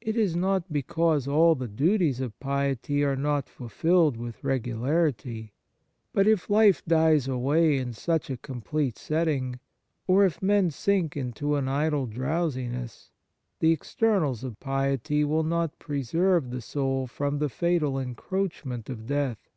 It is not because all the duties of piety are not fulfilled with regularity ; but if life dies away in such a complete setting, or if men sink into an idle drowsiness, the externals of piety will not preserve the soul from the fatal encroachment of death.